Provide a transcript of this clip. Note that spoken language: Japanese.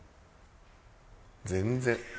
全然。